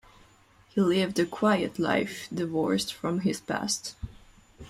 He lived a quiet life divorced from his past.